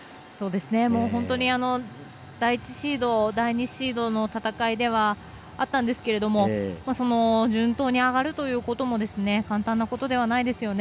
本当に第１シード第２シードの戦いではあったんですけどもその順当に上がるということも簡単なことではないですよね。